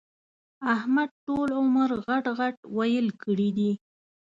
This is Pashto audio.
احمد ټول عمر غټ ِغټ ويل کړي دي.